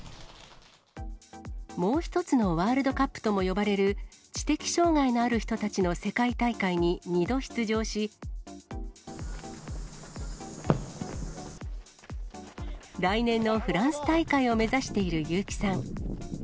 もう一つのワールドカップとも呼ばれる、知的障がいのある人たちの世界大会に２度出場し、来年のフランス大会を目指している結城さん。